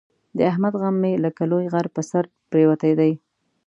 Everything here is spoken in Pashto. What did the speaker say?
د احمد غم مې لکه لوی غر په سر پرېوتی دی.